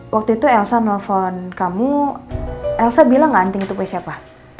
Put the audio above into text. waktu itu elsa nelfon kamu elsa bilang gak anting itu kayak siapa